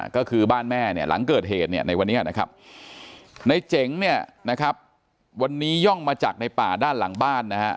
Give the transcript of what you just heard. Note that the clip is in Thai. ก็คือบ้านแม่เนี่ยหลังเกิดเหตุเนี่ยในวันนี้นะครับในเจ๋งเนี่ยนะครับวันนี้ย่องมาจากในป่าด้านหลังบ้านนะฮะ